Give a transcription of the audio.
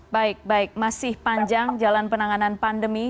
baik baik masih panjang jalan penanganan pandemi